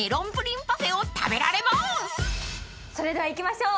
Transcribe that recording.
それではいきましょう。